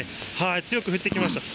強く降ってきました。